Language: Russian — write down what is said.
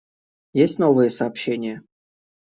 Есть новые сообщения?